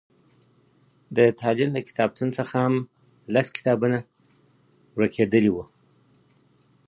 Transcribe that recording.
د تالين له کتابتون څخه هم لس کتابونه ورکېدلي وو.